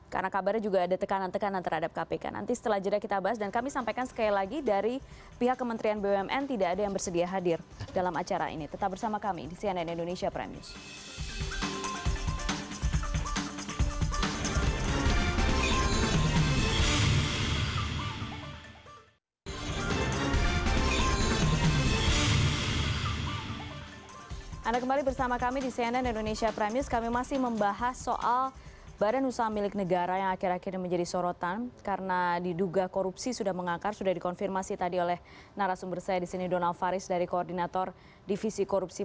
karena politik bekerja logika politik bekerja bukan logika meritokrasi